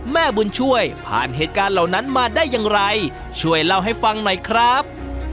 แม่บุญช่วยผ่านเหตุการณ์เหล่านั้นมาได้อย่างไรช่วยเล่าให้ฟังหน่อยครับ